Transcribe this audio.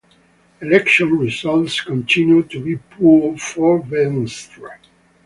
Election results continued to be poor for Venstre.